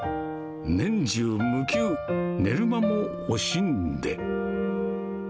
年中無休、寝る間も惜しんで。